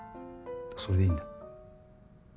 それでいいんだ。